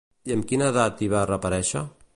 I amb quina edat hi va reaparèixer?